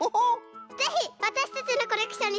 ぜひわたしたちのコレクションにさせてね。